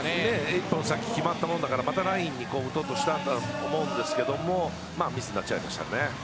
１本さっき決まったもんだからまたラインに打とうとしたと思うんですがミスになっちゃいましたね。